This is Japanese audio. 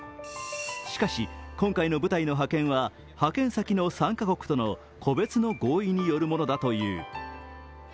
しかし、今回の部隊の派遣は派遣先の３カ国との個別の合意によるものだという。